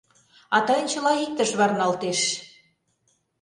А тыйын чыла иктыш варналтеш.